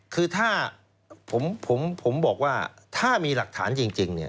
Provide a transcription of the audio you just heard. คือถ้าผมบอกว่าถ้ามีหลักฐานจริง